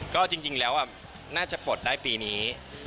ก็จริงแล้วน่าจะปลดได้ปีนี้